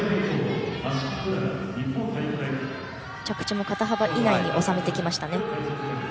着地も肩幅以内に収めてきました。